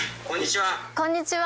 こんにちは。